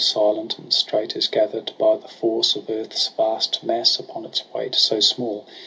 Silent and straight is gather'd by the force Of earth's vast mass upon its weight so small.